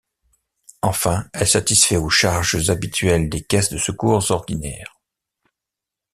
Enfin elle satisfait aux charges habituelles des caisses de secours ordinaires.